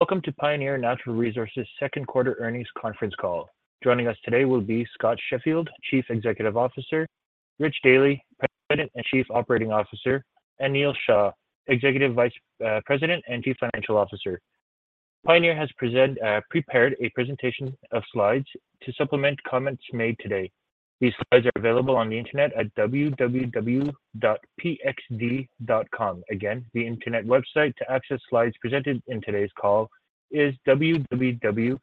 Welcome to Pioneer Natural Resources' second quarter earnings conference call. Joining us today will be Scott Sheffield, Chief Executive Officer, Rich Dealy, President and Chief Operating Officer, and Neal Shah, Executive Vice President and Chief Financial Officer. Pioneer has prepared a presentation of slides to supplement comments made today. These slides are available on the internet at www.pxd.com. Again, the internet website to access slides presented in today's call is www.pxd.com.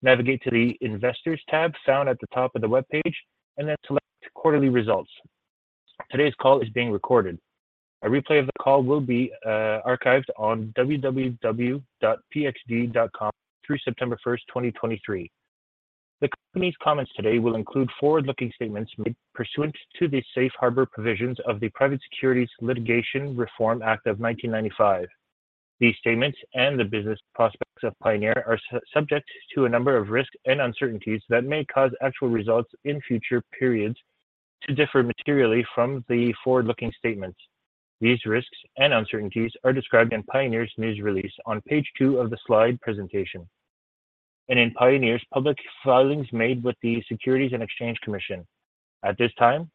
Navigate to the Investors tab found at the top of the webpage, then select Quarterly Results. Today's call is being recorded. A replay of the call will be archived on www.pxd.com through September 1, 2023. The company's comments today will include forward-looking statements made pursuant to the Safe Harbor Provisions of the Private Securities Litigation Reform Act of 1995. These statements and the business prospects of Pioneer are subject to a number of risks and uncertainties that may cause actual results in future periods to differ materially from the forward-looking statements. These risks and uncertainties are described in Pioneer's news release on page two of the slide presentation and in Pioneer's public filings made with the Securities and Exchange Commission. At this time,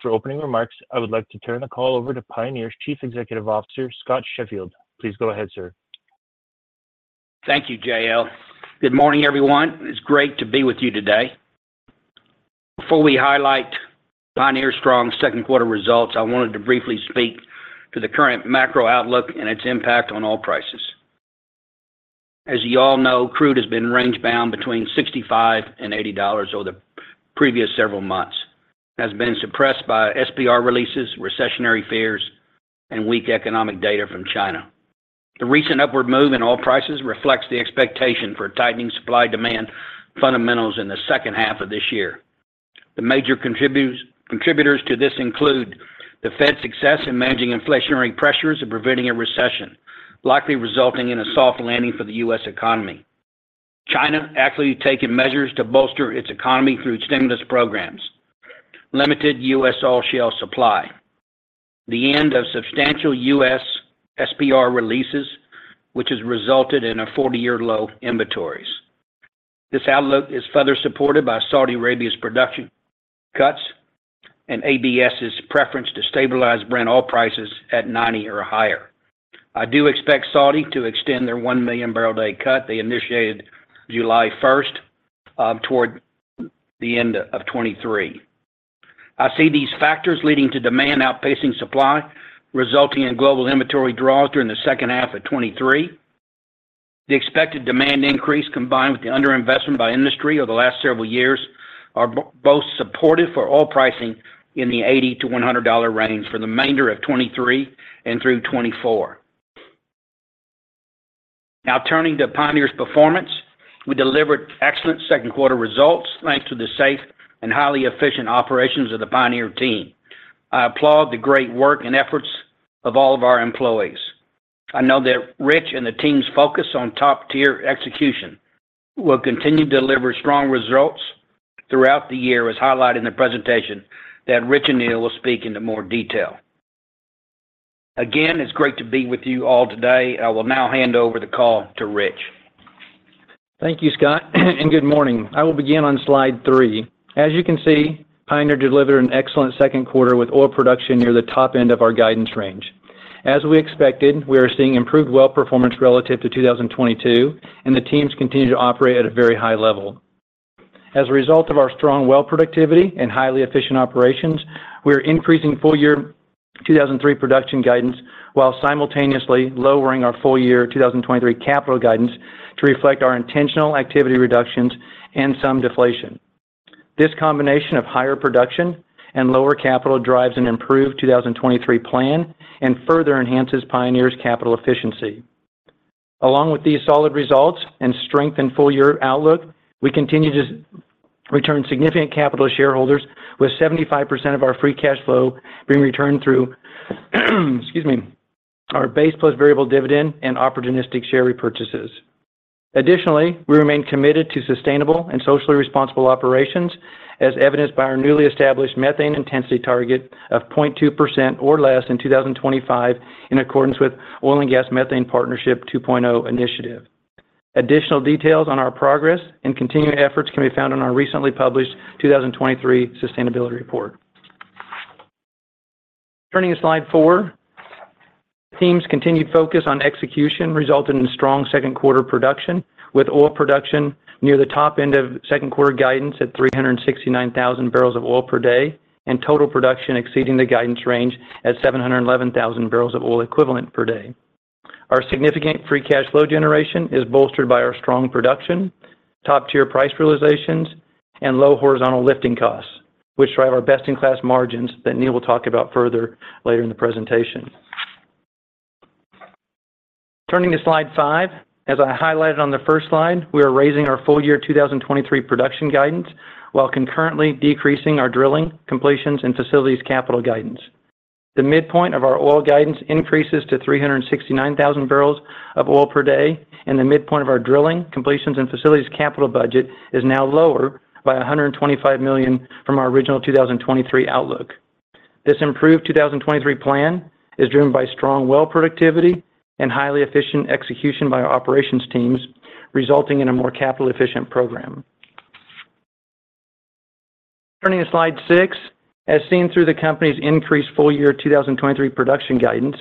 for opening remarks, I would like to turn the call over to Pioneer's Chief Executive Officer, Scott Sheffield. Please go ahead, sir. Thank you, JL. Good morning, everyone. It's great to be with you today. Before we highlight Pioneer's strong second quarter results, I wanted to briefly speak to the current macro outlook and its impact on oil prices. As you all know, crude has been range-bound between $65 and $80 over the previous several months, and has been suppressed by SPR releases, recessionary fears, and weak economic data from China. The recent upward move in oil prices reflects the expectation for tightening supply-demand fundamentals in the second half of this year. The major contributors to this include: the Fed's success in managing inflationary pressures and preventing a recession, likely resulting in a soft landing for the U.S. economy. China actively taking measures to bolster its economy through stimulus programs. Limited U.S. oil shale supply. The end of substantial U.S. SPR releases, which has resulted in a 40-year low inventories. This outlook is further supported by Saudi Arabia's production cuts and ABS's preference to stabilize Brent oil prices at 90 or higher. I do expect Saudi to extend their 1 million barrel a day cut they initiated July 1st toward the end of 2023. I see these factors leading to demand outpacing supply, resulting in global inventory draws during the second half of 2023. The expected demand increase, combined with the underinvestment by industry over the last several years, are both supportive for oil pricing in the $80-$100 range for the remainder of 2023 and through 2024. Turning to Pioneer's performance, we delivered excellent second quarter results, thanks to the safe and highly efficient operations of the Pioneer team. I applaud the great work and efforts of all of our employees. I know that Rich and the team's focus on top-tier execution will continue to deliver strong results throughout the year, as highlighted in the presentation that Rich and Neal will speak into more detail. Again, it's great to be with you all today. I will now hand over the call to Rich. Thank you, Scott, and good morning. I will begin on slide 3. As you can see, Pioneer delivered an excellent second quarter with oil production near the top end of our guidance range. As we expected, we are seeing improved well performance relative to 2022, and the teams continue to operate at a very high level. As a result of our strong well productivity and highly efficient operations, we are increasing full year 2023 production guidance, while simultaneously lowering our full year 2023 capital guidance to reflect our intentional activity reductions and some deflation. This combination of higher production and lower capital drives an improved 2023 plan and further enhances Pioneer's capital efficiency. Along with these solid results and strength in full year outlook, we continue to return significant capital to shareholders, with 75% of our free cash flow being returned through, excuse me, our base plus variable dividend and opportunistic share repurchases. Additionally, we remain committed to sustainable and socially responsible operations, as evidenced by our newly established methane intensity target of 0.2% or less in 2025, in accordance with Oil and Gas Methane Partnership 2.0 initiative. Additional details on our progress and continuing efforts can be found on our recently published 2023 sustainability report. Turning to slide four, the team's continued focus on execution resulted in strong second quarter production, with oil production near the top end of second quarter guidance at 369,000 barrels of oil per day, and total production exceeding the guidance range at 711,000 barrels of oil equivalent per day. Our significant free cash flow generation is bolstered by our strong production, top-tier price realizations, and low horizontal lifting costs, which drive our best-in-class margins that Neal will talk about further later in the presentation. Turning to slide five, as I highlighted on the first slide, we are raising our full year 2023 production guidance, while concurrently decreasing our drilling, completions, and facilities capital guidance. The midpoint of our oil guidance increases to 369,000 barrels of oil per day, and the midpoint of our drilling, completions, and facilities capital budget is now lower by $125 million from our original 2023 outlook. This improved 2023 plan is driven by strong well productivity and highly efficient execution by our operations teams.... resulting in a more capital-efficient program. Turning to slide six, as seen through the company's increased full year 2023 production guidance,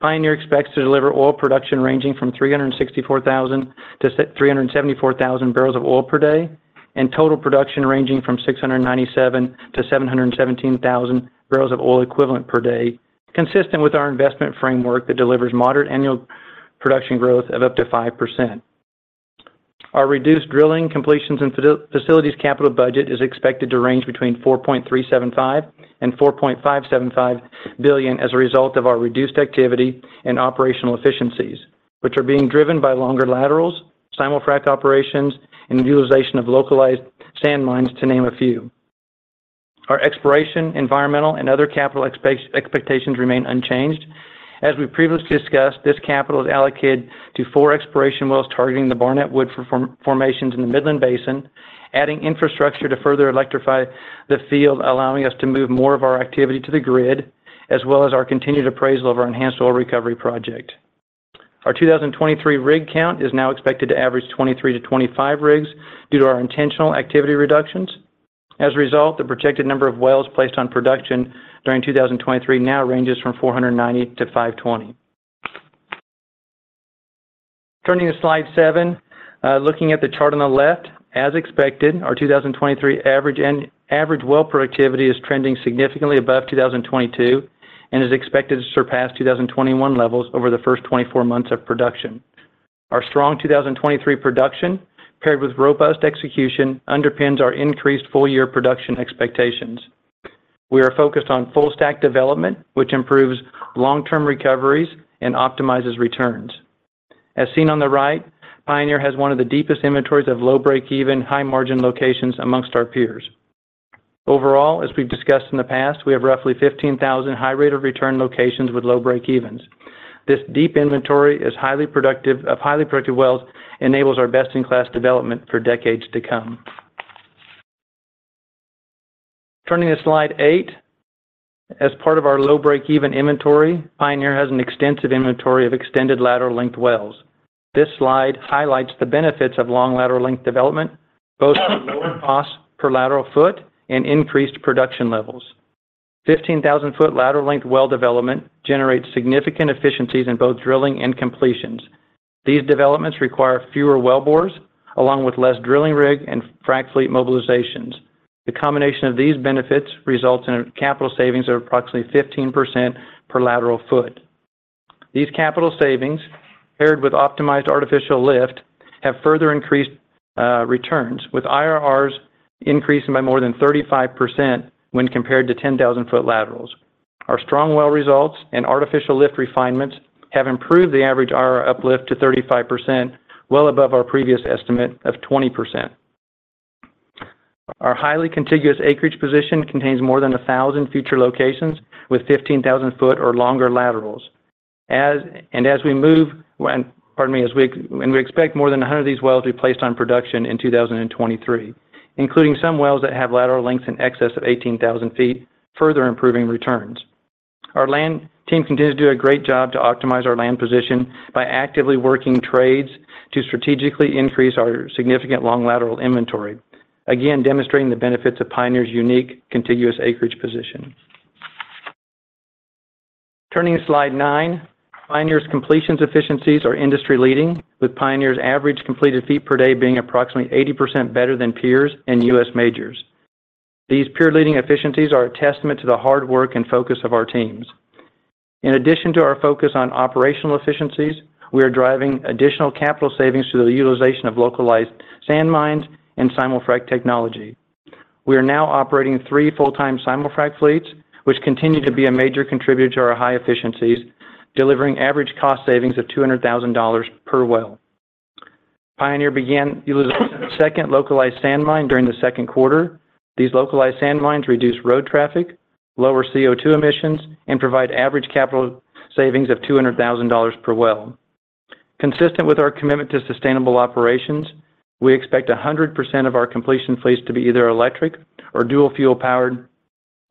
Pioneer expects to deliver oil production ranging from 364,000 to 374,000 barrels of oil per day, and total production ranging from 697,000 to 717,000 barrels of oil equivalent per day, consistent with our investment framework that delivers moderate annual production growth of up to 5%. Our reduced drilling, completions, and facilities capital budget is expected to range between $4.375 billion and $4.575 billion as a result of our reduced activity and operational efficiencies, which are being driven by longer laterals, simul-frac operations, and utilization of localized sand mines, to name a few. Our exploration, environmental, and other capital expectations remain unchanged. As we previously discussed, this capital is allocated to four exploration wells targeting the Barnett Wood formations in the Midland Basin, adding infrastructure to further electrify the field, allowing us to move more of our activity to the grid, as well as our continued appraisal of our enhanced oil recovery project. Our 2023 rig count is now expected to average 23-25 rigs due to our intentional activity reductions. As a result, the projected number of wells placed on production during 2023 now ranges from 490-520. Turning to slide Seven, looking at the chart on the left, as expected, our 2023 average and average well productivity is trending significantly above 2022 and is expected to surpass 2021 levels over the first 24 months of production. Our strong 2023 production, paired with robust execution, underpins our increased full-year production expectations. We are focused on full-stack development, which improves long-term recoveries and optimizes returns. As seen on the right, Pioneer has one of the deepest inventories of low break-even, high-margin locations amongst our peers. Overall, as we've discussed in the past, we have roughly 15,000 high rate of return locations with low break-evens. This deep inventory of highly productive wells enables our best-in-class development for decades to come. Turning to Slide 8, as part of our low break-even inventory, Pioneer has an extensive inventory of extended lateral length wells. This slide highlights the benefits of long lateral length development, both lower costs per lateral foot and increased production levels. 15,000 foot lateral length well development generates significant efficiencies in both drilling and completions. These developments require fewer wellbores, along with less drilling rig and frac fleet mobilizations. The combination of these benefits results in a capital savings of approximately 15% per lateral foot. These capital savings, paired with optimized artificial lift, have further increased returns, with IRRs increasing by more than 35% when compared to 10,000 foot laterals. Our strong well results and artificial lift refinements have improved the average IRR uplift to 35%, well above our previous estimate of 20%. Our highly contiguous acreage position contains more than 1,000 future locations, with 15,000 foot or longer laterals. We expect more than 100 of these wells to be placed on production in 2023, including some wells that have lateral lengths in excess of 18,000 feet, further improving returns. Our land team continues to do a great job to optimize our land position by actively working trades to strategically increase our significant long lateral inventory, again, demonstrating the benefits of Pioneer's unique contiguous acreage position. Turning to slide nine, Pioneer's completions efficiencies are industry-leading, with Pioneer's average completed feet per day being approximately 80% better than peers and U.S. majors. These peer-leading efficiencies are a testament to the hard work and focus of our teams. In addition to our focus on operational efficiencies, we are driving additional capital savings through the utilization of localized sand mines and simul-frac technology. We are now operating three full-time simul-frac fleets, which continue to be a major contributor to our high efficiencies, delivering average cost savings of $200,000 per well. Pioneer began utilizing a second localized sand mine during the second quarter. These localized sand mines reduce road traffic, lower CO2 emissions, and provide average capital savings of $200,000 per well. Consistent with our commitment to sustainable operations, we expect 100% of our completion fleets to be either electric or dual fuel-powered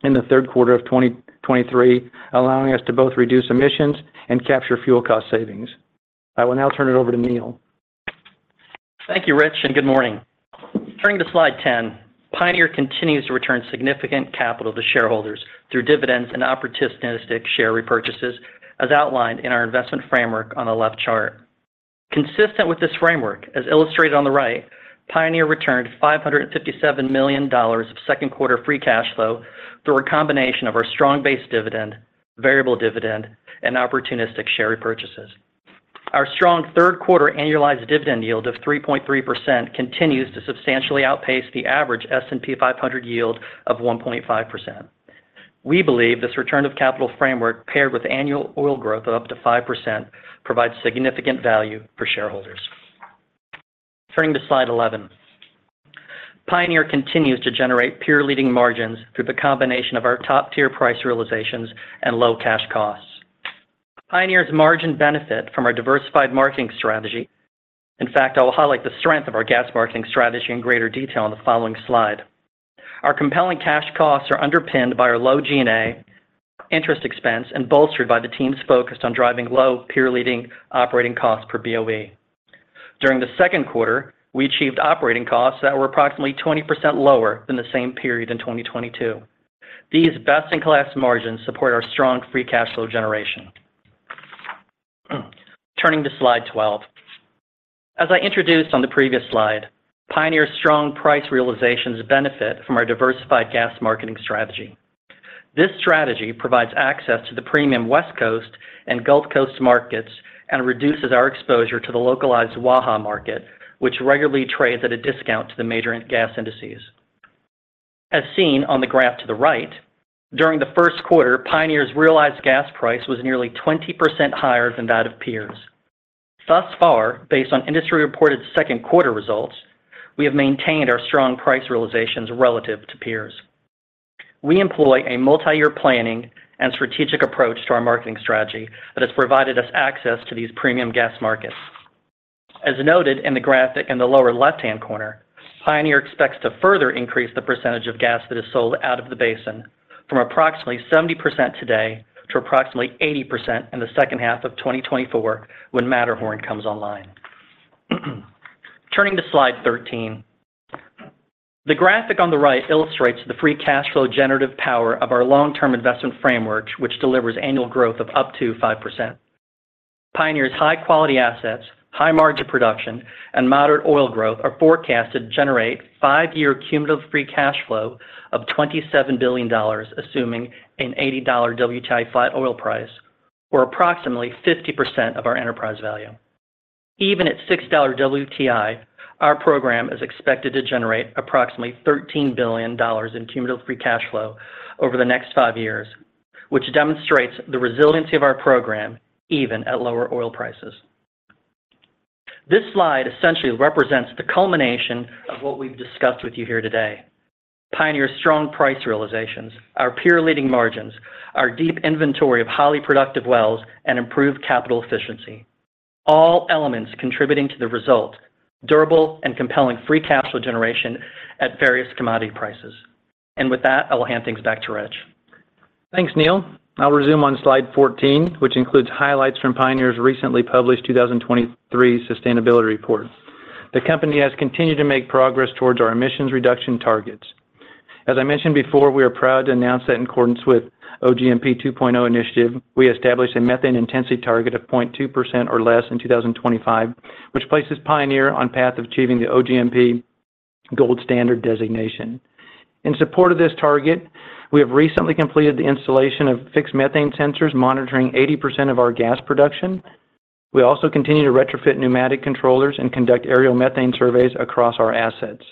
in the third quarter of 2023, allowing us to both reduce emissions and capture fuel cost savings. I will now turn it over to Neal. Thank you, Rich. Good morning. Turning to slide 10, Pioneer continues to return significant capital to shareholders through dividends and opportunistic share repurchases, as outlined in our investment framework on the left chart. Consistent with this framework, as illustrated on the right, Pioneer returned $557 million of second quarter free cash flow through a combination of our strong base dividend, variable dividend, and opportunistic share repurchases. Our strong third quarter annualized dividend yield of 3.3% continues to substantially outpace the average S&P 500 yield of 1.5%. We believe this return of capital framework, paired with annual oil growth of up to 5%, provides significant value for shareholders. Turning to slide 11, Pioneer continues to generate peer-leading margins through the combination of our top-tier price realizations and low cash costs. Pioneer's margin benefit from our diversified marketing strategy. In fact, I will highlight the strength of our gas marketing strategy in greater detail on the following slide. Our compelling cash costs are underpinned by our low G&A, interest expense, and bolstered by the teams focused on driving low, peer-leading operating costs per BOE. During the second quarter, we achieved operating costs that were approximately 20% lower than the same period in 2022. These best-in-class margins support our strong free cash flow generation. Turning to slide 12. As I introduced on the previous slide, Pioneer's strong price realizations benefit from our diversified gas marketing strategy. This strategy provides access to the premium West Coast and Gulf Coast markets, and reduces our exposure to the localized Waha market, which regularly trades at a discount to the major end gas indices. As seen on the graph to the right, during the first quarter, Pioneer's realized gas price was nearly 20% higher than that of peers. Thus far, based on industry-reported second quarter results, we have maintained our strong price realizations relative to peers. We employ a multi-year planning and strategic approach to our marketing strategy that has provided us access to these premium gas markets. As noted in the graphic in the lower left-hand corner, Pioneer expects to further increase the percentage of gas that is sold out of the basin from approximately 70% today to approximately 80% in the second half of 2024 when Matterhorn comes online. Turning to slide 13. The graphic on the right illustrates the free cash flow generative power of our long-term investment framework, which delivers annual growth of up to 5%. Pioneer's high-quality assets, high margin production, and moderate oil growth are forecasted to generate five-year cumulative free cash flow of $27 billion, assuming an $80 WTI oil price, or approximately 50% of our enterprise value. Even at $6 WTI, our program is expected to generate approximately $13 billion in cumulative free cash flow over the next five years, which demonstrates the resiliency of our program even at lower oil prices. This slide essentially represents the culmination of what we've discussed with you here today. Pioneer's strong price realizations, our peer-leading margins, our deep inventory of highly productive wells, and improved capital efficiency, all elements contributing to the result, durable and compelling free cash flow generation at various commodity prices. With that, I will hand things back to Rich. Thanks, Neal. I'll resume on slide 14, which includes highlights from Pioneer's recently published 2023 Sustainability Report. The company has continued to make progress towards our emissions reduction targets. As I mentioned before, we are proud to announce that in accordance with OGMP 2.0 initiative, we established a methane intensity target of 0.2% or less in 2025, which places Pioneer on path of achieving the OGMP Gold Standard designation. In support of this target, we have recently completed the installation of fixed methane sensors, monitoring 80% of our gas production. We also continue to retrofit pneumatic controllers and conduct aerial methane surveys across our assets.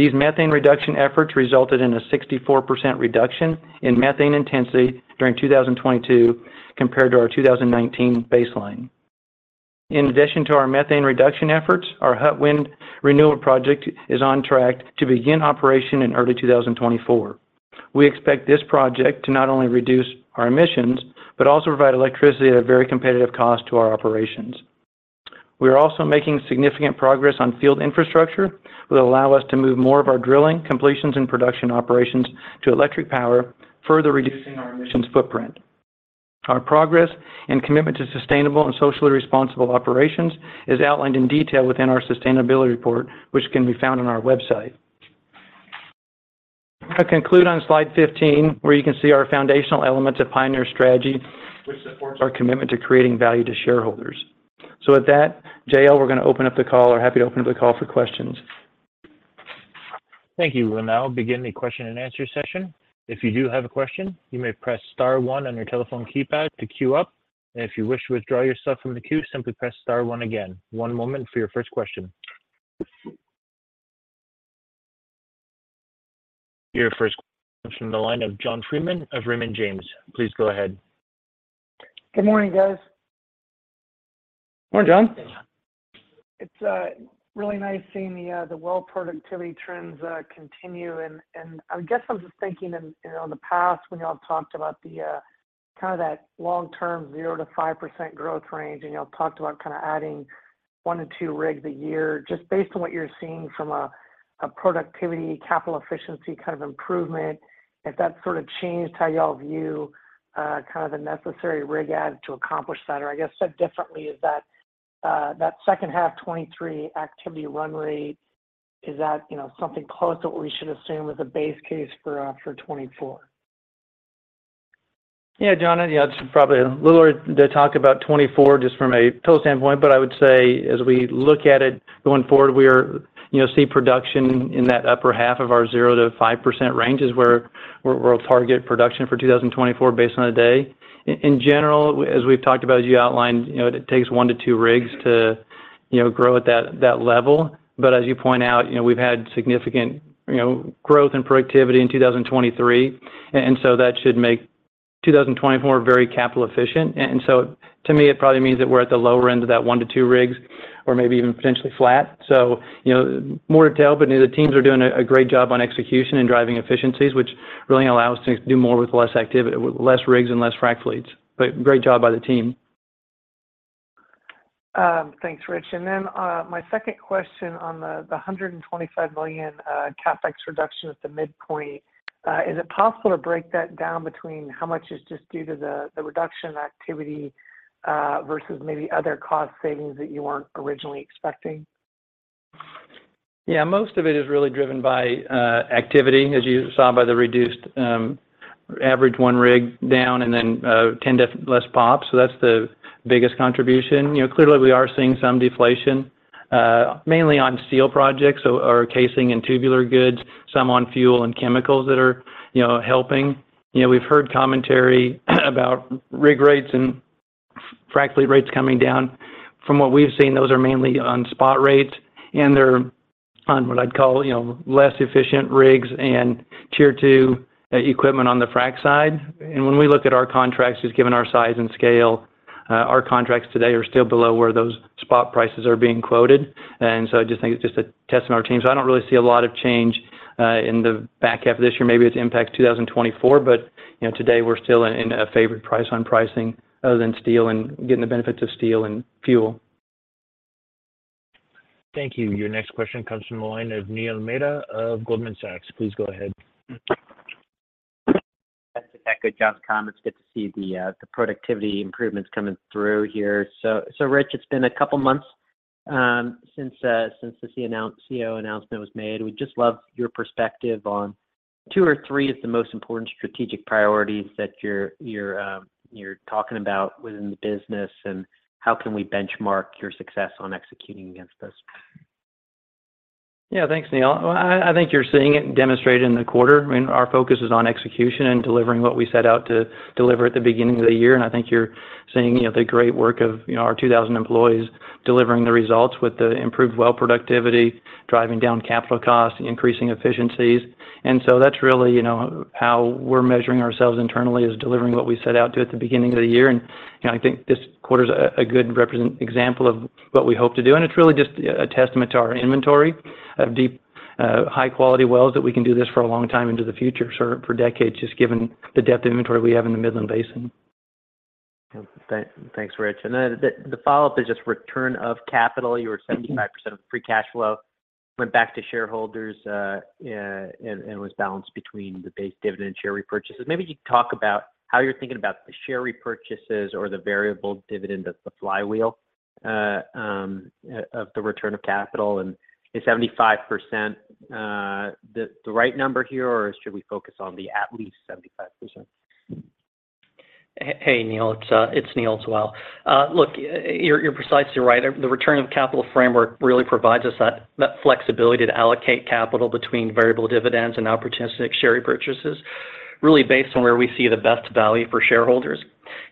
These methane reduction efforts resulted in a 64% reduction in methane intensity during 2022, compared to our 2019 baseline. In addition to our methane reduction efforts, our Huttwinde Renewal Project is on track to begin operation in early 2024. We expect this project to not only reduce our emissions, but also provide electricity at a very competitive cost to our operations. We are also making significant progress on field infrastructure, will allow us to move more of our drilling, completions, and production operations to electric power, further reducing our emissions footprint. Our progress and commitment to sustainable and socially responsible operations is outlined in detail within our sustainability report, which can be found on our website. I conclude on slide 15, where you can see our foundational elements of Pioneer strategy, which supports our commitment to creating value to shareholders. With that, JL, we're going to open up the call, or happy to open up the call for questions. Thank you. We'll now begin the question and answer session. If you do have a question, you may press star one on your telephone keypad to queue up. If you wish to withdraw yourself from the queue, simply press star one again. one moment for your first question. Your first question from the line of John Freeman of Raymond James. Please go ahead. Good morning, guys. Morning, John. It's really nice seeing the well productivity trends continue. I guess I'm just thinking, you know, in the past, when you all talked about the kind of that long-term 0%-5% growth range, and you all talked about adding 1-2 rigs a year. Just based on what you're seeing from a productivity, capital efficiency kind of improvement, if that's sort of changed how you all view kind of the necessary rig add to accomplish that? I guess, said differently, is that that second half 2023 activity run rate, is that, you know, something close to what we should assume as a base case for for 2024? Yeah, John, yeah, it's probably a little early to talk about 2024 just from a total standpoint, but I would say as we look at it going forward, we you know, see production in that upper half of our 0-5% range is where we'll target production for 2024 based on the day. In general, as we've talked about, as you outlined, you know, it takes 1 - 2 rigs to, you know, grow at that, that level. As you point out, you know, we've had significant, you know, growth and productivity in 2023, and so that should make 2024 very capital efficient. To me, it probably means that we're at the lower end of that 1 - 2 rigs, or maybe even potentially flat. You know, more to tell, you know, the teams are doing a great job on execution and driving efficiencies, which really allows us to do more with less activity with less rigs and less frac fleets. Great job by the team. Thanks, Rich. My second question on the, the $125 million CapEx reduction at the midpoint, is it possible to break that down between how much is just due to the, the reduction activity, versus maybe other cost savings that you weren't originally expecting? Yeah, most of it is really driven by activity, as you saw by the reduced average one rig down and then 10 to less POP. That's the biggest contribution. You know, clearly, we are seeing some deflation, mainly on steel projects or casing and tubular goods, some on fuel and chemicals that are, you know, helping. You know, we've heard commentary about rig rates and frack fleet rates coming down. From what we've seen, those are mainly on spot rates, and they're on what I'd call, you know, less efficient rigs and Tier two equipment on the frack side. When we look at our contracts, just given our size and scale, our contracts today are still below where those spot prices are being quoted. I just think it's just a testament to our team. I don't really see a lot of change in the back half of this year. Maybe it's impact 2024, but, you know, today we're still in a, in a favored price on pricing other than steel and getting the benefits of steel and fuel. Thank you. Your next question comes from the line of Neil Mehta of Goldman Sachs. Please go ahead. That's a good job, comments. Good to see the productivity improvements coming through here. Rich, it's been a couple of months since the CEO announcement was made. We'd just love your perspective on two or three of the most important strategic priorities that you're talking about within the business, and how can we benchmark your success on executing against this? Yeah. Thanks, Neal. Well, I, I think you're seeing it demonstrated in the quarter. I mean, our focus is on execution and delivering what we set out to deliver at the beginning of the year. I think you're seeing, you know, the great work of, you know, our 2,000 employees delivering the results with the improved well productivity, driving down capital costs, and increasing efficiencies. That's really, you know, how we're measuring ourselves internally, is delivering what we set out to at the beginning of the year. You know, I think this quarter is a, a good example of what we hope to do, and it's really just a, a testament to our inventory of deep, high-quality wells that we can do this for a long time into the future, so for decades, just given the depth of inventory we have in the Midland Basin. Yeah. Thanks, Rich. The follow-up is just return of capital. You were 75% of free cash flow, went back to shareholders, and was balanced between the base dividend and share repurchases. Maybe you could talk about how you're thinking about the share repurchases or the variable dividend of the flywheel of the return of capital, and is 75%, the right number here, or should we focus on the at least 75%? Hey, Neil, it's Neal as well. Look, you're, you're precisely right. The return of capital framework really provides us that, that flexibility to allocate capital between variable dividends and opportunistic share repurchases, really based on where we see the best value for shareholders.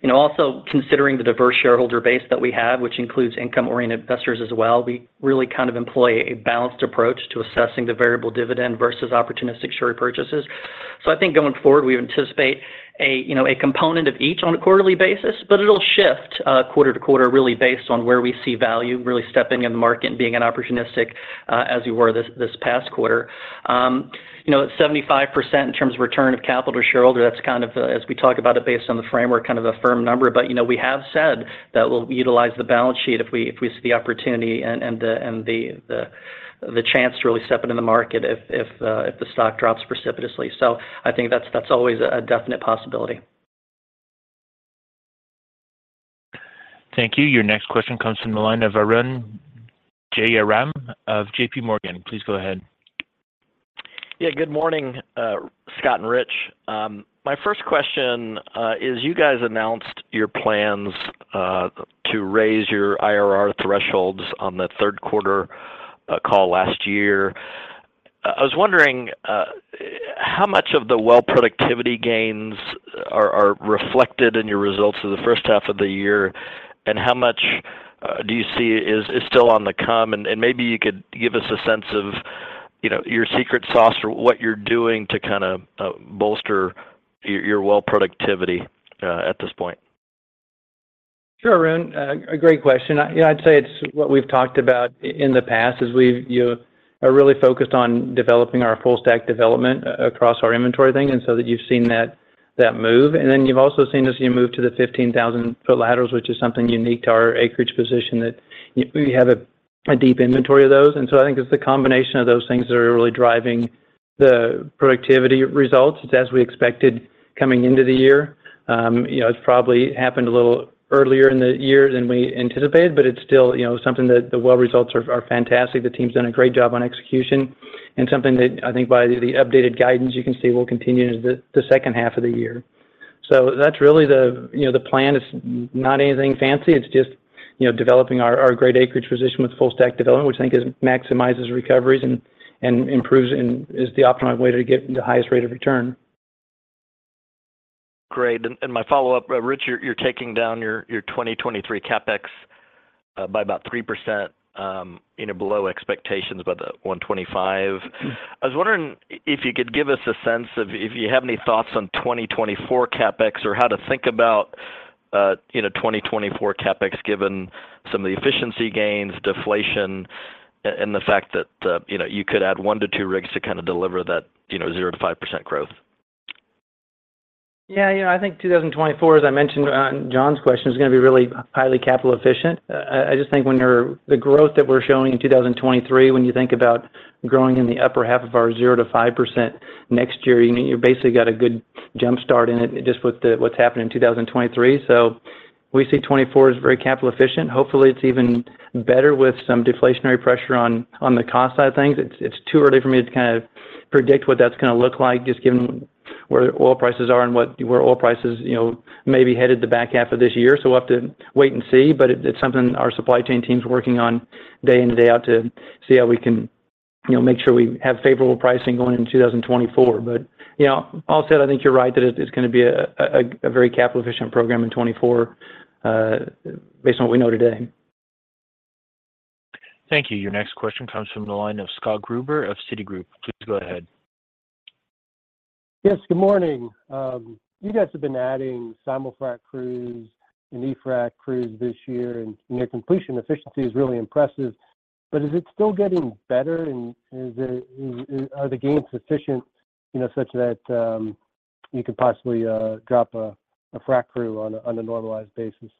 You know, also, considering the diverse shareholder base that we have, which includes income-oriented investors as well, we really kind of employ a balanced approach to assessing the variable dividend versus opportunistic share repurchases. I think going forward, we anticipate a, you know, a component of each on a quarterly basis, but it'll shift, quarter to quarter, really based on where we see value, really stepping in the market and being an opportunistic, as we were this, this past quarter. You know, at 75% in terms of return of capital to shareholder, that's kind of, as we talk about it, based on the framework, kind of a firm number. But, you know, we have said that we'll utilize the balance sheet if we, if we see the opportunity and, and the, and the, the, the chance to really step into the market if, if the stock drops precipitously. I think that's, that's always a, a definite possibility. Thank you. Your next question comes from the line of Arun Jayaram of JPMorgan. Please go ahead. Yeah, good morning, Scott and Rich. My first question is you guys announced your plans to raise your IRR thresholds on the third quarter call last year. I was wondering how much of the well productivity gains are, are reflected in your results of the first half of the year, and how much do you see is, is still on the come? Maybe you could give us a sense of, you know, your secret sauce or what you're doing to kinda bolster your, your well productivity at this point. Sure, Arun, a great question. I, you know, I'd say it's what we've talked about in the past, is we've, you know, are really focused on developing our full-stack development across our inventory thing, and so that you've seen that, that move. Then you've also seen us, you move to the 15,000 foot laterals, which is something unique to our acreage position, that we have a deep inventory of those. So I think it's the combination of those things that are really driving the productivity results. It's as we expected coming into the year. You know, it's probably happened a little earlier in the year than we anticipated, but it's still, you know, something that the well results are fantastic. The team's done a great job ohttps://editor.inflexiontranscribe.com/static/media/icon-stop.c66f93825c3f48c23a40e2e9d93da074.svgn execution, and something that I think by the, the updated guidance, you can see will continue into the, the second half of the year. That's really the, you know, the plan. It's not anything fancy. It's just, you know, developing our, our great acreage position with full-stack development, which I think is maximizes recoveries and, and improves and is the optimal way to get the highest rate of return. Great. My follow-up, Rich, you're taking down your 2023 CapEx by about 3%, below expectations, about the $125. I was wondering if you could give us a sense of if you have any thoughts on 2024 CapEx or how to think about 2024 CapEx, given some of the efficiency gains, deflation, and the fact that you could add 1 - 2 rigs to kind of deliver that 0%-5% growth? ... Yeah, yeah, I think 2024, as I mentioned on John's question, is gonna be really highly capital efficient. I, I just think the growth that we're showing in 2023, when you think about growing in the upper half of our 0%-5% next year, you know, you basically got a good jump start in it, just with the, what's happening in 2023. We see 2024 as very capital efficient. Hopefully, it's even better with some deflationary pressure on, on the cost side of things. It's, it's too early for me to kind of predict what that's gonna look like, just given where oil prices are and where oil prices, you know, may be headed the back half of this year. We'll have to wait and see, but it, it's something our supply chain team's working on day in and day out to see how we can, you know, make sure we have favorable pricing going into 2024. You know, all said, I think you're right, that it's, it's gonna be a very capital efficient program in '24, based on what we know today. Thank you. Your next question comes from the line of Scott Gruber of Citigroup. Please go ahead. Yes, good morning. You guys have been adding simul-frac crews and e-frac crews this year, and your completion efficiency is really impressive. Is it still getting better, and is it, and, are the gains sufficient, you know, such that, you could possibly, drop a frac crew on a, on a normalized basis?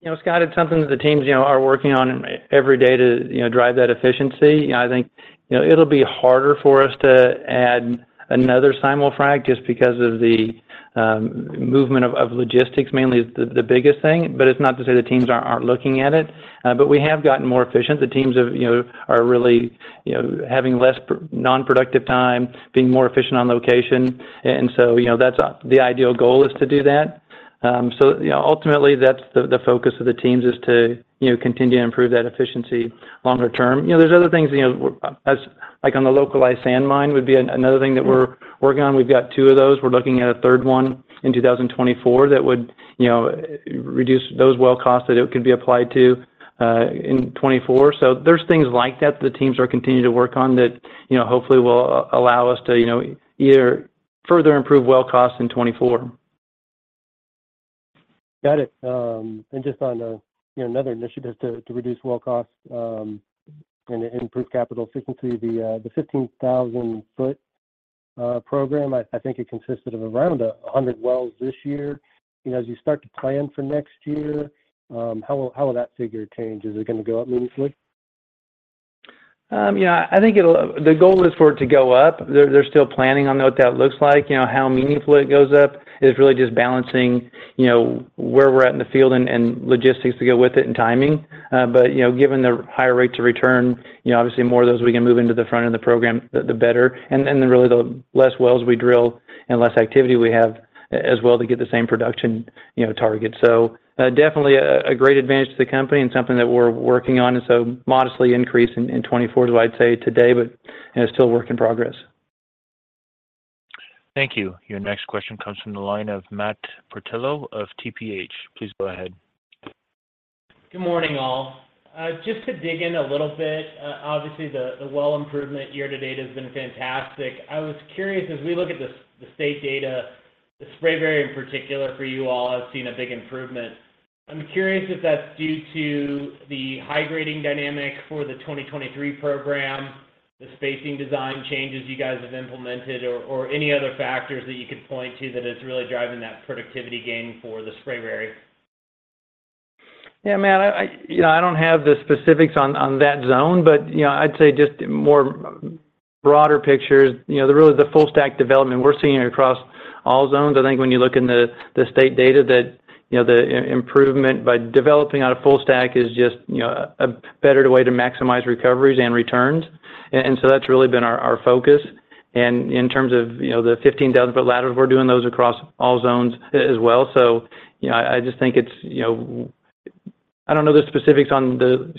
You know, Scott, it's something that the teams, you know, are working on every day to, you know, drive that efficiency. I think, you know, it'll be harder for us to add another simul-frac just because of the movement of logistics, mainly is the biggest thing. It's not to say the teams aren't, aren't looking at it, but we have gotten more efficient. The teams have, you know, are really, you know, having less non-productive time, being more efficient on location. So, you know, that's the ideal goal is to do that. So, you know, ultimately, that's the focus of the teams, is to, you know, continue to improve that efficiency longer term. You know, there's other things, you know, as like on the localized sand mine, would be another thing that we're working on. We've got 2 of those. We're looking at a third one in 2024 that would, you know, reduce those well costs that it could be applied to in 2024. There's things like that the teams are continuing to work on that, you know, hopefully will allow us to, you know, either further improve well costs in 2024. Got it. Just on a, you know, another initiative to, to reduce well costs, and improve capital efficiency, the 15,000 foot program, I, I think it consisted of around 100 wells this year. You know, as you start to plan for next year, how will, how will that figure change? Is it gonna go up meaningfully? Yeah, I think it'll-- the goal is for it to go up. They're, they're still planning on what that looks like. You know, how meaningfully it goes up is really just balancing, you know, where we're at in the field and logistics to go with it and timing. You know, given the higher rate to return, you know, obviously more of those we can move into the front of the program, the better. Then really, the less wells we drill and less activity we have as well to get the same production, you know, target. Definitely a great advantage to the company and something that we're working on, and so modestly increase in 2024, I'd say today, but, you know, it's still a work in progress. Thank you. Your next question comes from the line of Matt Portillo of TPH. Please go ahead. Good morning, all. Just to dig in a little bit, obviously, the, the well improvement year to date has been fantastic. I was curious, as we look at the, the state data, the Spraberry, in particular for you all, have seen a big improvement. I'm curious if that's due to the high grading dynamic for the 2023 program, the spacing design changes you guys have implemented, or, or any other factors that you could point to that is really driving that productivity gain for the Spraberry? Yeah, Matt, I, I, you know, I don't have the specifics on, on that zone, but, you know, I'd say just more broader picture, you know, the really, the full stack development, we're seeing it across all zones. I think when you look in the, the state data that, you know, the improvement by developing on a full stack is just, you know, a better way to maximize recoveries and returns. So that's really been our, our focus. In terms of, you know, the 15,000 foot laterals, we're doing those across all zones as well. You know, I just think it's, you know... I don't know the specifics on the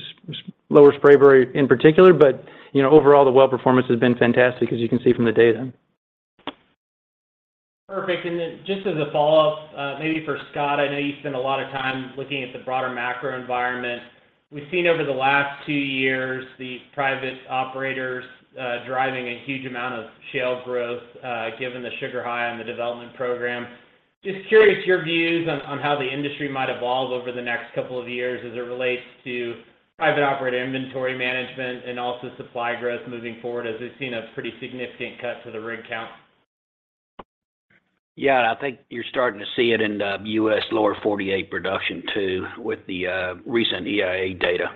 Lower Spraberry, in particular, but, you know, overall, the well performance has been fantastic, as you can see from the data. Perfect. Just as a follow-up, maybe for Scott Sheffield, I know you spend a lot of time looking at the broader macro environment. We've seen over the last two years, the private operators driving a huge amount of shale growth, given the sugar high on the development program. Just curious, your views on how the industry might evolve over the next couple of years as it relates to private operator inventory management and also supply growth moving forward, as we've seen a pretty significant cut to the rig count? Yeah, I think you're starting to see it in the U.S Lower 48 production, too, with the recent EIA data.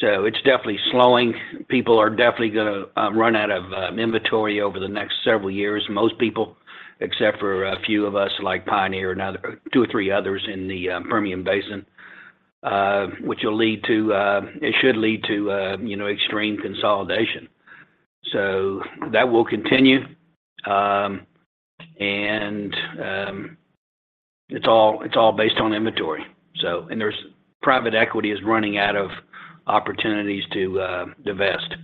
It's definitely slowing. People are definitely gonna run out of inventory over the next several years. Most people, except for a few of us, like Pioneer and other 2 or 3 others in the Permian Basin, which will lead to, it should lead to, you know, extreme consolidation. That will continue. It's all, it's all based on inventory. There's private equity is running out of opportunities to divest.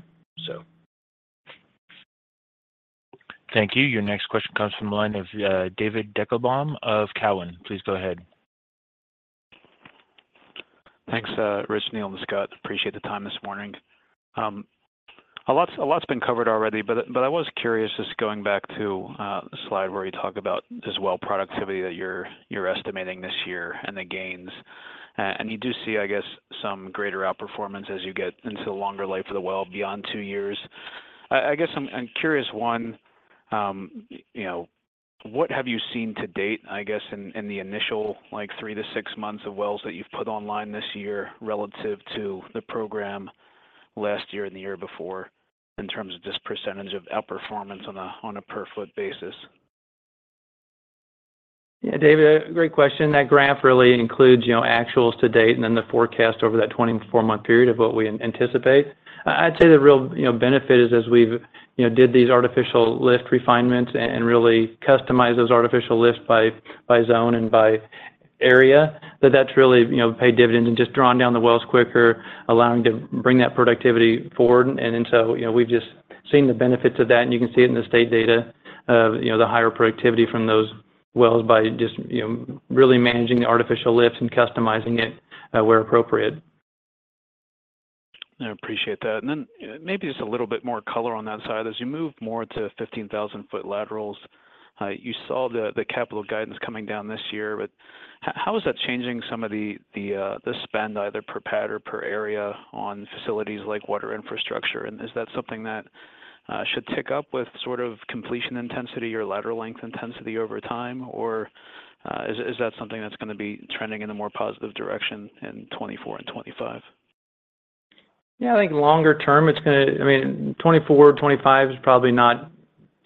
Thank you. Your next question comes from the line of David Deckelbaum of Cowen. Please go ahead. Thanks, Rich, Neal, and Scott. Appreciate the time this morning. A lot's been covered already, but I was curious, just going back to the slide where you talk about this well productivity that you're, you're estimating this year and the gains. You do see, I guess, some greater outperformance as you get into the longer life of the well, beyond two years. I guess I'm curious, one, you know, what have you seen to date, I guess, in, in the initial like three to six months of wells that you've put online this year relative to the program last year and the year before, in terms of just percentage of outperformance on a, on a per foot basis? Yeah, David, great question. That graph really includes, you know, actuals to date, and then the forecast over that 24-month period of what we anticipate. I, I'd say the real, you know, benefit is, as we've, you know, did these artificial lift refinements and really customize those artificial lifts by, by zone and by area, that that's really, you know, paid dividends and just drawn down the wells quicker, allowing to bring that productivity forward. You know, we've just seen the benefits of that, and you can see it in the state data of, you know, the higher productivity from those wells by just, you know, really managing the artificial lifts and customizing it where appropriate. I appreciate that. Then, maybe just a little bit more color on that side. As you move more to 15,000 foot laterals, you saw the capital guidance coming down this year, but how is that changing some of the spend, either per pad or per area on facilities like water infrastructure? Is that something that should tick up with sort of completion intensity or lateral length intensity over time? Or is that something that's gonna be trending in a more positive direction in 2024 and 2025? Yeah, I think longer term, it's gonna... I mean, 2024, 2025 is probably not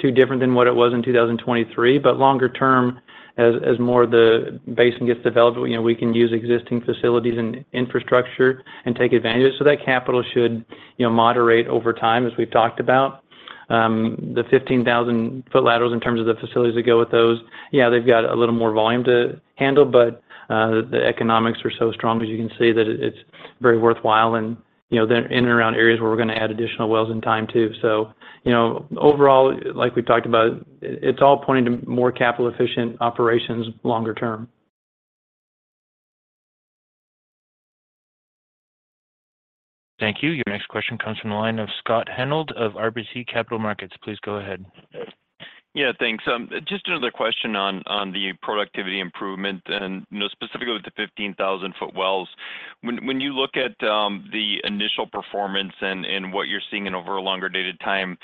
too different than what it was in 2023. Longer term, as more of the basin gets developed, you know, we can use existing facilities and infrastructure and take advantage. That capital should, you know, moderate over time, as we've talked about. The 15,000 foot laterals, in terms of the facilities that go with those, yeah, they've got a little more volume to handle, but the economics are so strong, as you can see, that it's very worthwhile. You know, they're in and around areas where we're gonna add additional wells in time, too. You know, overall, like we've talked about, it's all pointing to more capital efficient operations longer term. Thank you. Your next question comes from the line of Scott Hanold of RBC Capital Markets. Please go ahead. Yeah, thanks. Just another question on the productivity improvement and, you know, specifically with the 15,000 foot wells. When you look at the initial performance and what you're seeing over a longer dated time,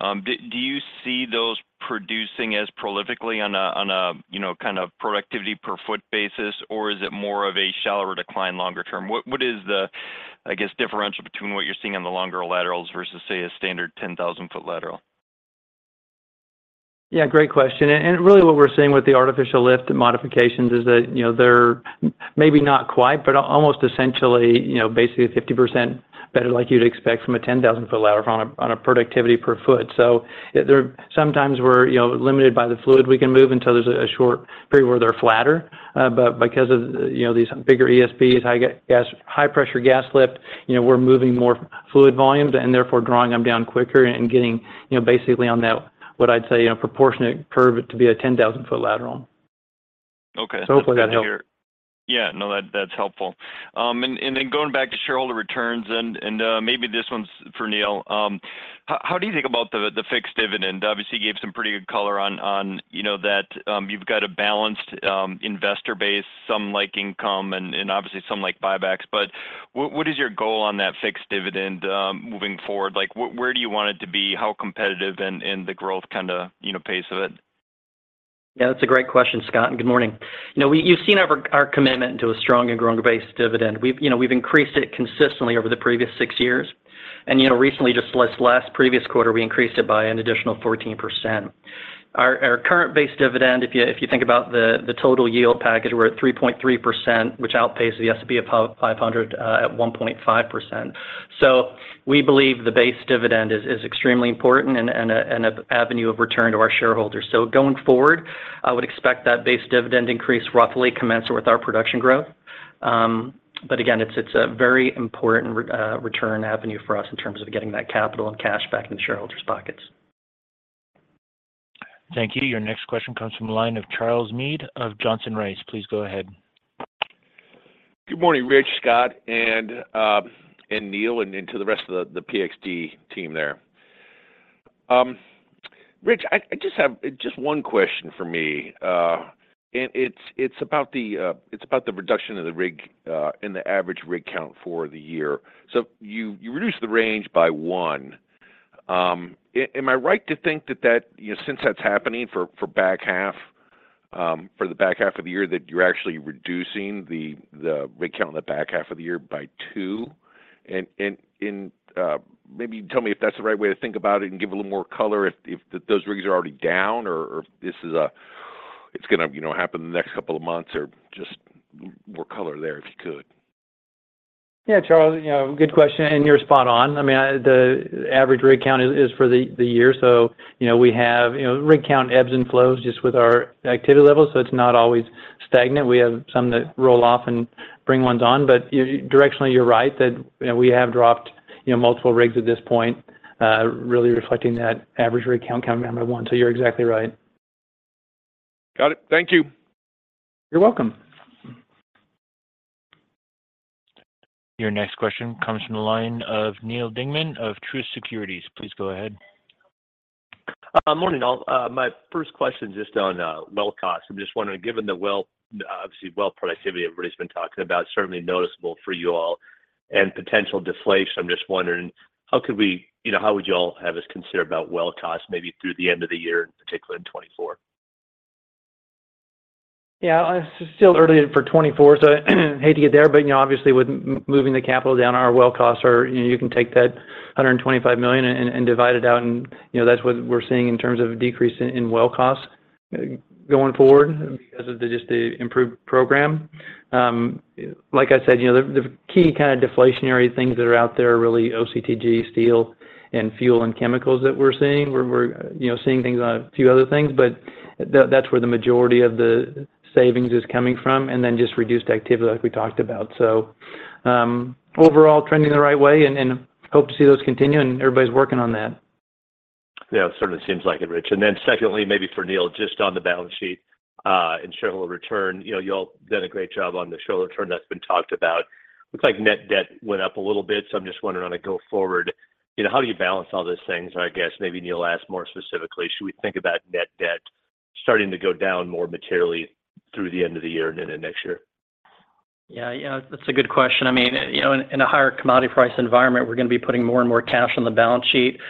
do you see those producing as prolifically on a, you know, kind of productivity per foot basis? Or is it more of a shallower decline longer term? What is the, I guess, differential between what you're seeing on the longer laterals versus, say, a standard 10,000 foot lateral? Yeah, great question. Really what we're seeing with the artificial lift and modifications is that, you know, they're maybe not quite, but almost essentially, you know, basically 50% better like you'd expect from a 10,000 foot lateral on a, on a productivity per foot. There- sometimes we're, you know, limited by the fluid we can move until there's a, a short period where they're flatter. Because of, you know, these bigger ESPs, high high-pressure gas lift, you know, we're moving more fluid volumes, and therefore drawing them down quicker and getting, you know, basically on that, what I'd say, a proportionate curve to be a 10,000 foot lateral. Okay. Yeah, no, that, that's helpful. Going back to shareholder returns, maybe this one's for Neal Shah. How do you think about the fixed dividend? Obviously, you gave some pretty good color on, you know, that, you've got a balanced investor base, some like income and obviously some like buybacks. What is your goal on that fixed dividend moving forward? Like, where do you want it to be? How competitive in the growth kinda, you know, pace of it? Yeah, that's a great question, Scott, and good morning. You know, you've seen our, our commitment to a strong and growing base dividend. We've, you know, we've increased it consistently over the previous six years. Recently, just this last previous quarter, we increased it by an additional 14%. Our, our current base dividend, if you, if you think about the, the total yield package, we're at 3.3%, which outpaces the S&P 500 at 1.5%. We believe the base dividend is, is extremely important and, and an avenue of return to our shareholders. Going forward, I would expect that base dividend increase roughly commensurate with our production growth. Again, it's, it's a very important return avenue for us in terms of getting that capital and cash back in shareholders' pockets. Thank you. Your next question comes from the line of Charles Meade of Johnson Rice. Please go ahead. Good morning, Rich, Scott, and Neal, and, and to the rest of the, the PXD team there. Rich, I, I just have, just 1 question for me, and it's, it's about the, it's about the reduction of the rig, and the average rig count for the year. You, you reduced the range by one. Am, am I right to think that that, you know, since that's happening for, for back half, for the back half of the year, that you're actually reducing the, the rig count on the back half of the year by two? Maybe tell me if that's the right way to think about it and give a little more color if, if those rigs are already down, or, or if this is it's gonna, you know, happen in the next couple of months, or just more color there, if you could? Yeah, Charles, you know, good question, and you're spot on. I mean, the average rig count is, is for the, the year. You know, we have, you know, rig count ebbs and flows just with our activity levels, so it's not always stagnant. We have some that roll off and bring ones on. Directionally, you're right, that, you know, we have dropped, you know, multiple rigs at this point, really reflecting that average rig count, count by one. You're exactly right. Got it. Thank you. You're welcome. Your next question comes from the line of Neal Dingmann of Truist Securities. Please go ahead.... Morning, all. My first question is just on well costs. I'm just wondering, given the well, obviously, well productivity everybody's been talking about, certainly noticeable for you all, and potential deflation, I'm just wondering, you know, how would you all have us consider about well costs maybe through the end of the year, in particular in 2024? Yeah, it's still early for 2024, so I hate to get there, but, you know, obviously, with moving the capital down, our well costs are. You know, you can take that $125 million and, and divide it out, and, you know, that's what we're seeing in terms of a decrease in, in well costs, going forward because of the just the improved program. Like I said, you know, the, the key kind of deflationary things that are out there are really OCTG, steel, and fuel and chemicals that we're seeing. We're, we're, you know, seeing things on a few other things, but that, that's where the majority of the savings is coming from, and then just reduced activity like we talked about. Overall, trending the right way and, and hope to see those continue, and everybody's working on that. Yeah, it sort of seems like it, Rich. Secondly, maybe for Neal, just on the balance sheet, and shareholder return. You know, you all done a great job on the shareholder return that's been talked about. Looks like net debt went up a little bit, so I'm just wondering on a go forward, you know, how do you balance all those things? I guess maybe, Neil, I'll ask more specifically, should we think about net debt starting to go down more materially through the end of the year and into next year? Yeah. Yeah, that's a good question. I mean, you know, in, in a higher commodity price environment, we're gonna be putting more and more cash on the balance sheet.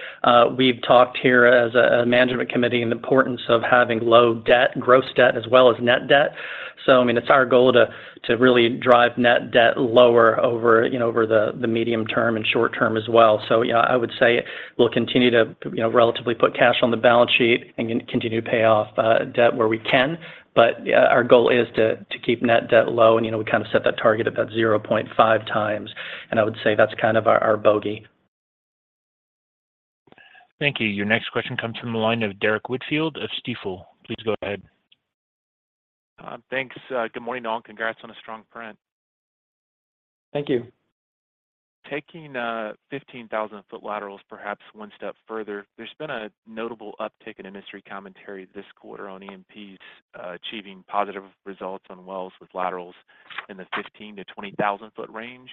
We've talked here as a, a management committee, in the importance of having low debt, gross debt, as well as net debt. I mean, it's our goal to, to really drive net debt lower over, you know, over the, the medium term and short term as well. Yeah, I would say we'll continue to, you know, relatively put cash on the balance sheet and continue to pay off debt where we can. Yeah, our goal is to, to keep net debt low, and, you know, we kind of set that target about 0.5 times, and I would say that's kind of our, our bogey. Thank you. Your next question comes from the line of Derrick Whitfield of Stifel. Please go ahead. Thanks. Good morning, all. Congrats on a strong print. Thank you. Taking 15,000 foot laterals perhaps one step further, there's been a notable uptick in industry commentary this quarter on E&Ps achieving positive results on wells with laterals in the 15,000-20,000 foot range.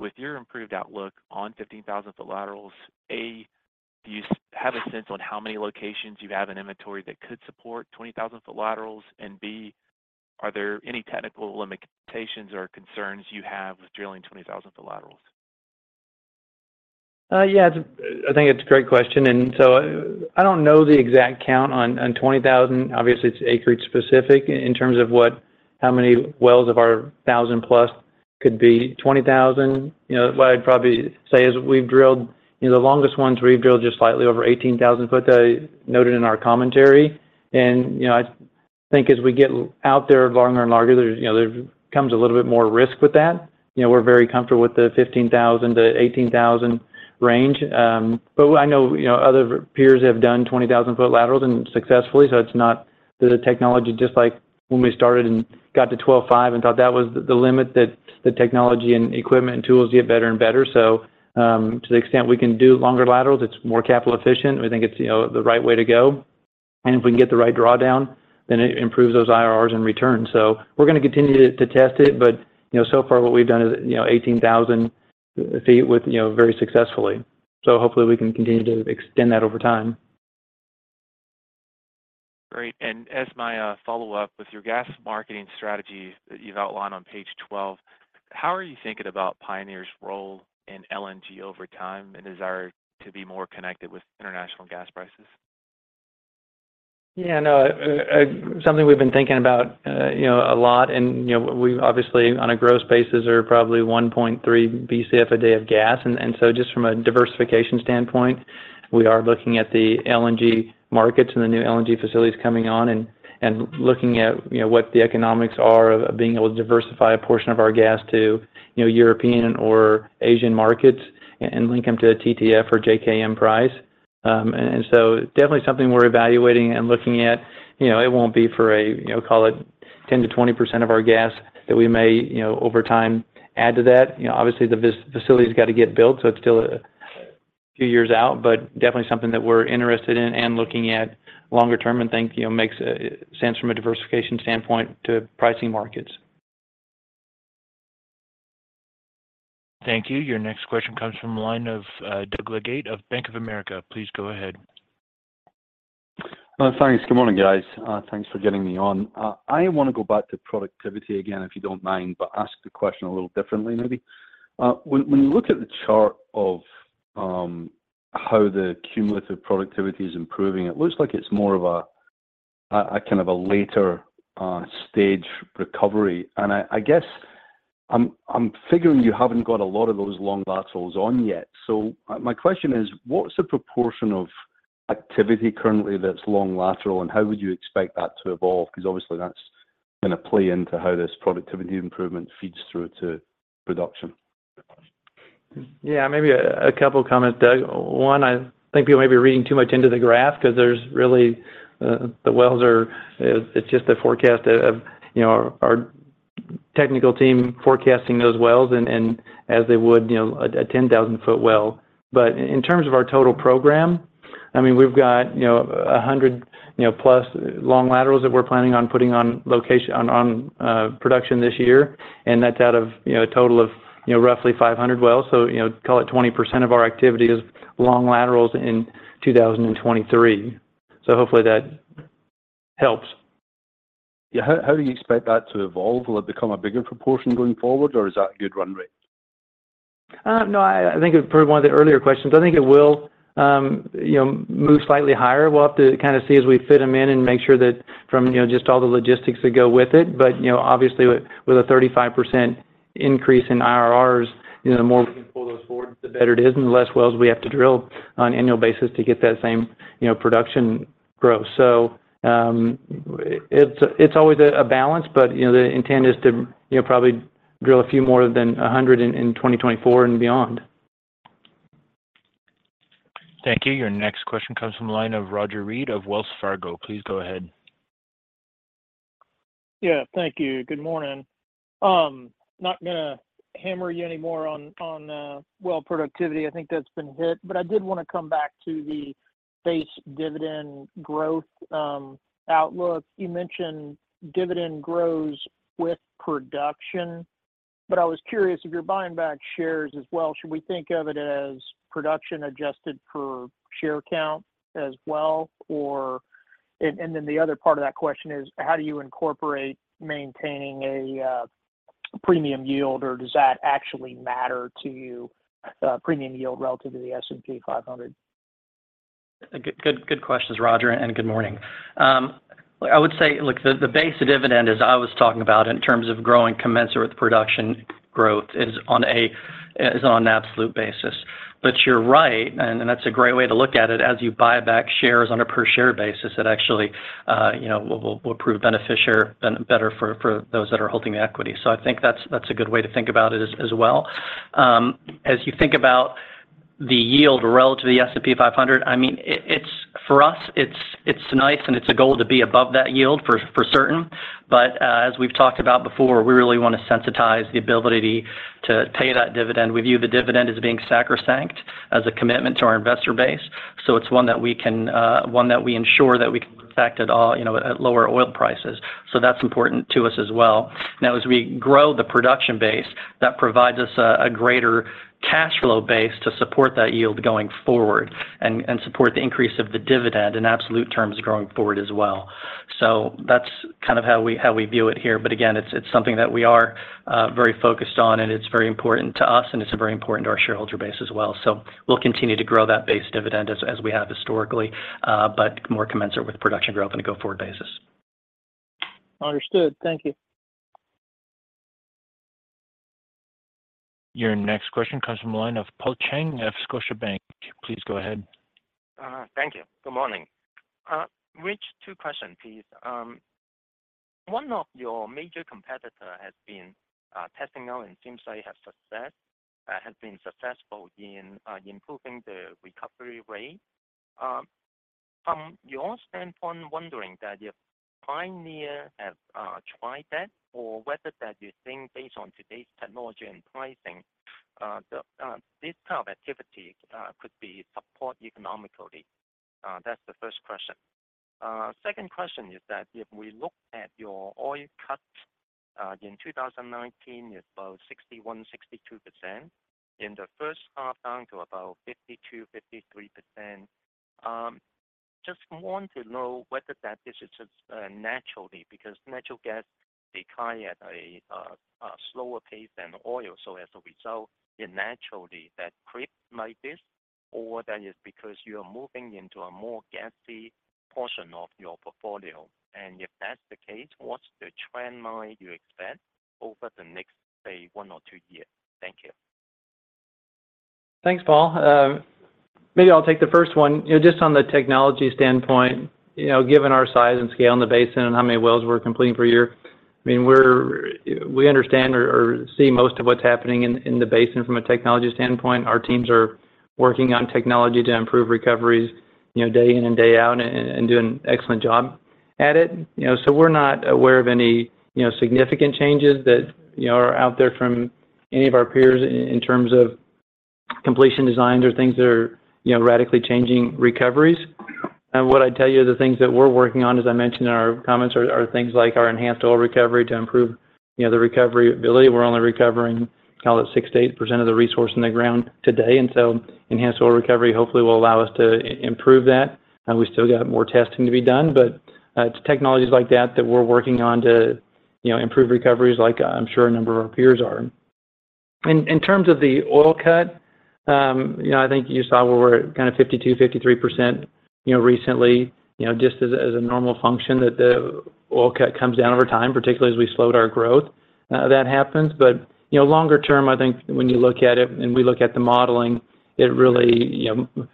With your improved outlook on 15,000 foot laterals, A, do you have a sense on how many locations you have in inventory that could support 20,000 foot laterals? B, are there any technical limitations or concerns you have with drilling 20,000 foot laterals? Yeah, it's I think it's a great question, and so I, I don't know the exact count on 20,000. Obviously, it's acreage specific in terms of what. How many wells of our 1,000+ could be 20,000? You know, what I'd probably say is we've drilled, you know, the longest ones, we've drilled just slightly over 18,000 foot, noted in our commentary. You know, I think as we get out there longer and longer, there's, you know, there comes a little bit more risk with that. You know, we're very comfortable with the 15,000-18,000 range. I know, you know, other peers have done 20,000 foot laterals and successfully, so it's not the technology, just like when we started and got to 12,500 and thought that was the, the limit, that the technology and equipment and tools get better and better. To the extent we can do longer laterals, it's more capital efficient. We think it's, you know, the right way to go. If we can get the right drawdown, then it improves those IRRs in return. We're gonna continue to, to test it, but, you know, so far what we've done is, you know, 18,000 feet with, you know, very successfully. Hopefully, we can continue to extend that over time. Great. As my follow-up, with your gas marketing strategy that you've outlined on page 12, how are you thinking about Pioneer's role in LNG over time and desire to be more connected with international gas prices? Yeah, I know. something we've been thinking about, you know, a lot and, you know, we've obviously, on a gross basis, are probably 1.3 Bcf a day of gas. and so just from a diversification standpoint, we are looking at the LNG markets and the new LNG facilities coming on and, and looking at, you know, what the economics are of being able to diversify a portion of our gas to, you know, European or Asian markets and link them to a TTF or JKM price. and so definitely something we're evaluating and looking at. You know, it won't be for a, you know, call it 10%-20% of our gas that we may, you know, over time add to that. You know, obviously, the facility's got to get built, so it's still a few years out, but definitely something that we're interested in and looking at longer term and think, you know, makes sense from a diversification standpoint to pricing markets. Thank you. Your next question comes from the line of Doug Leggate of Bank of America. Please go ahead. Thanks. Good morning, guys. Thanks for getting me on. I want to go back to productivity again, if you don't mind, but ask the question a little differently maybe. When you look at the chart of how the cumulative productivity is improving, it looks like it's more of a kind of a later stage recovery. I guess, I'm figuring you haven't got a lot of those long laterals on yet. My question is: What's the proportion of activity currently that's long lateral, and how would you expect that to evolve? Obviously, that's gonna play into how this productivity improvement feeds through to production. Yeah, maybe a couple comments, Doug. One, I think people may be reading too much into the graph because there's really... The wells are, it's just a forecast of, you know, our, our technical team forecasting those wells and, and as they would, you know, a 10,000 foot well. But in terms of our total program, I mean, we've got, you know, 100, you know, plus long laterals that we're planning on putting on production this year, and that's out of, you know, a total of, you know, roughly 500 wells. You know, call it 20% of our activity is long laterals in 2023. Hopefully that helps. Yeah, how, how do you expect that to evolve? Will it become a bigger proportion going forward, or is that a good run rate? No, I, I think it per one of the earlier questions, I think it will, you know, move slightly higher. We'll have to kind of see as we fit them in and make sure that from, you know, just all the logistics that go with it. You know, obviously, with, with a 35% increase in IRRs, you know, the more we can pull those forward, the better it is, and the less wells we have to drill on an annual basis to get that same, you know, production growth. It's, it's always a, a balance, but, you know, the intent is to, you know, probably drill a few more than 100 in, in 2024 and beyond. Thank you. Your next question comes from the line of Roger Read of Wells Fargo. Please go ahead. Yeah, thank you. Good morning. Not gonna hammer you anymore on, on, well productivity. I think that's been hit, but I did wanna come back to the base dividend growth outlook. You mentioned dividend grows with production, but I was curious if you're buying back shares as well, should we think of it as production adjusted per share count as well? Then the other part of that question is, how do you incorporate maintaining a premium yield, or does that actually matter to you, premium yield relative to the S&P 500? Good, good, good questions, Roger, and good morning. I would say, look, the base dividend, as I was talking about in terms of growing commensurate with production growth, is on an absolute basis. You're right, and that's a great way to look at it. As you buy back shares on a per share basis, it actually, you know, will prove beneficial and better for those that are holding the equity. I think that's a good way to think about it as well. As you think about the yield relative to the S&P 500, I mean, for us, it's nice, and it's a goal to be above that yield for certain. As we've talked about before, we really wanna sensitize the ability to pay that dividend. We view the dividend as being sacrosanct, as a commitment to our investor base. It's one that we can, one that we ensure that we can protect at all, you know, at lower oil prices. That's important to us as well. Now, as we grow the production base, that provides us a greater cash flow base to support that yield going forward, and support the increase of the dividend in absolute terms growing forward as well. That's kind of how we view it here. Again, it's something that we are very focused on, and it's very important to us, and it's very important to our shareholder base as well. We'll continue to grow that base dividend as we have historically, but more commensurate with production growth on a go-forward basis. Understood. Thank you. Your next question comes from the line of Paul Cheng of Scotiabank. Please go ahead. Thank you. Good morning. Rich, two questions, please. One of your major competitor has been testing out, and it seems they have success, has been successful in improving the recovery rate. From your standpoint, wondering that if Pioneer have tried that or whether that you think based on today's technology and pricing, the this type of activity could be support economically? That's the first question. Second question is that if we look at your oil cuts in 2019, it's about 61%-62%. In the first half, down to about 52%-53%. Just want to know whether that this is naturally, because natural gas decline at a slower pace than oil. As a result, it naturally that creep like this, or that is because you are moving into a more gassy portion of your portfolio. If that's the case, what's the trend line you expect over the next, say, one or two years? Thank you. Thanks, Paul. Maybe I'll take the first one. You know, just on the technology standpoint, you know, given our size and scale in the basin and how many wells we're completing per year, I mean, we understand or, or see most of what's happening in the basin from a technology standpoint. Our teams are working on technology to improve recoveries, you know, day in and day out, and doing an excellent job at it. You know, so we're not aware of any, you know, significant changes that, you know, are out there from any of our peers in terms of completion designs or things that are, you know, radically changing recoveries. What I'd tell you, the things that we're working on, as I mentioned in our comments, are things like our enhanced oil recovery to improve, you know, the recovery ability. We're only recovering call it 6%-8% of the resource in the ground today, and so enhanced oil recovery hopefully will allow us to improve that. We still got more testing to be done, but it's technologies like that that we're working on to, you know, improve recoveries like I'm sure a number of our peers are. In terms of the oil cut, you know, I think you saw where we're kind of 52%-53%, you know, recently, you know, just as a normal function, that the oil cut comes down over time, particularly as we slowed our growth. That happens, you know, longer term, I think when you look at it and we look at the modeling, it really, you know,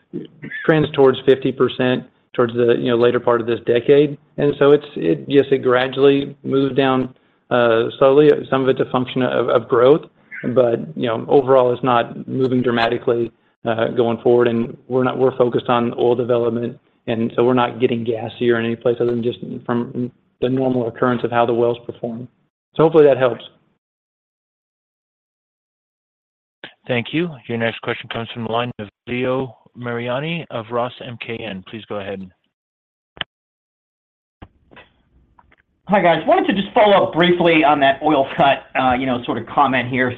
trends towards 50%, towards the, you know, later part of this decade. Yes, it gradually moves down slowly. Some of it's a function of growth, you know, overall, it's not moving dramatically going forward. We're focused on oil development, we're not getting gassier in any place other than just from the normal occurrence of how the wells perform. Hopefully that helps. Thank you. Your next question comes from the line of Leo Mariani of Roth MKM. Please go ahead. ... Just follow up briefly on that oil cut, you know, sort of comment here.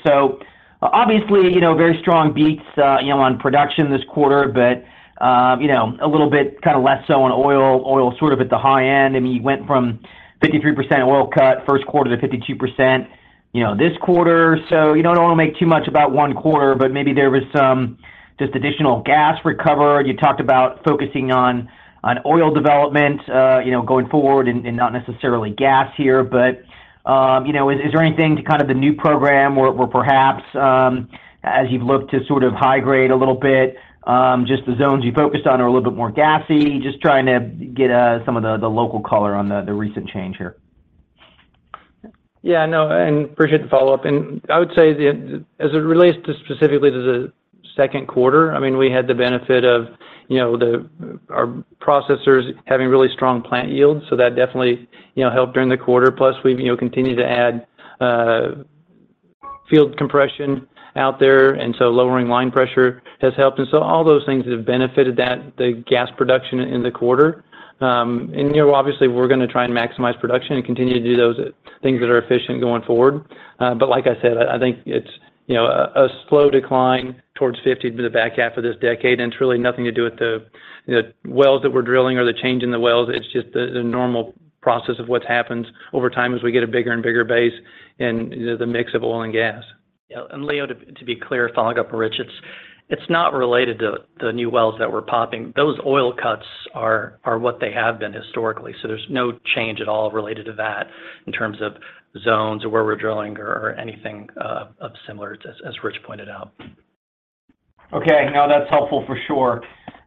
Obviously, you know, very strong beats, you know, on production this quarter, but, you know, a little bit kinda less so on oil. Oil is sort of at the high end. I mean, you went from 53% oil cut first quarter to 52%, you know, this quarter. You don't wanna make too much about one quarter, but maybe there was some just additional gas recovery. You talked about focusing on, on oil development, you know, going forward and, and not necessarily gas here. You know, is, is there anything to kind of the new program where, where perhaps, as you've looked to sort of high grade a little bit, just the zones you focused on are a little bit more gassy? Just trying to get some of the local color on the recent change here. Yeah, no, appreciate the follow-up. I would say the, as it relates to specifically to the second quarter, I mean, we had the benefit of, you know, the, our processors having really strong plant yields, so that definitely, you know, helped during the quarter. Plus, we've, you know, continued to add field compression out there, and so lowering line pressure has helped. So all those things have benefited that, the gas production in the quarter. You know, obviously, we're gonna try and maximize production and continue to do those things that are efficient going forward. But like I said, I, I think it's, you know, a, a slow decline towards 50 to the back half of this decade, and it's really nothing to do with the, the wells that we're drilling or the change in the wells. It's just the, the normal process of what happens over time as we get a bigger and bigger base and, you know, the mix of oil and gas. Yeah, Leo, to, to be clear, following up on Rich, it's, it's not related to the new wells that we're popping. Those oil cuts are, are what they have been historically, so there's no change at all related to that in terms of zones or where we're drilling or, or anything of similar to, as Rich pointed out. Okay. No, that's helpful for sure.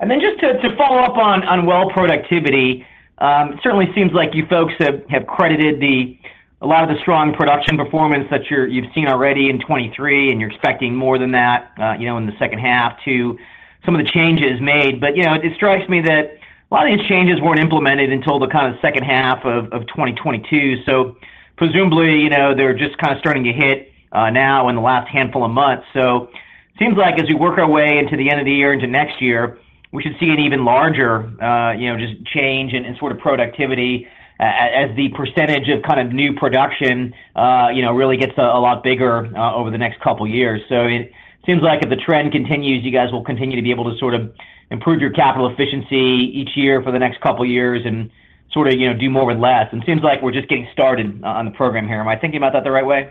Then just to, to follow up on, on well productivity, certainly seems like you folks have, have credited a lot of the strong production performance that you're, you've seen already in 2023, and you're expecting more than that, you know, in the second half to some of the changes made. You know, it strikes me that a lot of these changes weren't implemented until the kinda second half of 2022. Presumably, you know, they're just kinda starting to hit now in the last handful of months. Seems like as we work our way into the end of the year into next year, we should see an even larger, you know, just change in, in sort of productivity as the percentage of kind of new production, you know, really gets a lot bigger over the next couple of years. It seems like if the trend continues, you guys will continue to be able to sort of improve your capital efficiency each year for the next couple of years and sort of, you know, do more with less. It seems like we're just getting started on the program here. Am I thinking about that the right way?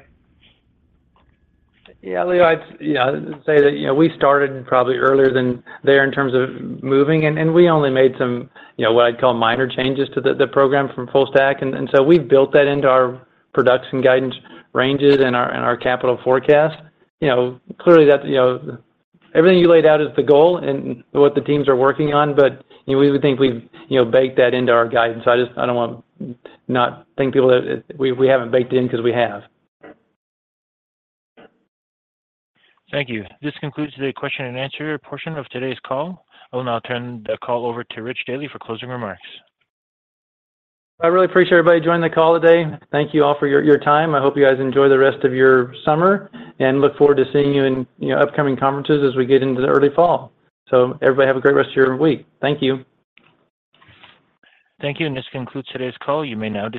Yeah, Leo, I'd, you know, say that, you know, we started probably earlier than there in terms of moving, and we only made some, you know, what I'd call minor changes to the, the program from full stack. So we've built that into our production guidance ranges and our, and our capital forecast. You know, clearly, that, you know. Everything you laid out is the goal and what the teams are working on, but, you know, we would think we've, you know, baked that into our guidance. I just, I don't want to not thank people that, we, we haven't baked in because we have. Thank you. This concludes the question and answer portion of today's call. I will now turn the call over to Rich Dealy for closing remarks. I really appreciate everybody joining the call today. Thank you all for your, your time. I hope you guys enjoy the rest of your summer, and look forward to seeing you in, you know, upcoming conferences as we get into the early fall. Everybody have a great rest of your week. Thank you. Thank you, and this concludes today's call. You may now disconnect.